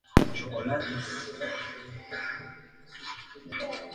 Con un objetivo fundamental; vivir el presente, construyendo el futuro, sin olvidar el pasado.